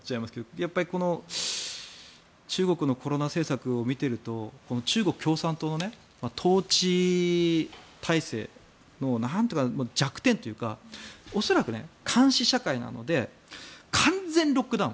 やっぱり中国のコロナ政策を見ていると中国共産党の統治体制の弱点というか恐らく、監視社会なので完全ロックダウン